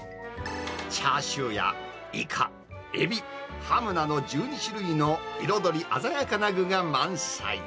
チャーシューやイカ、エビ、ハムなど、１２種類の彩り鮮やかな具が満載。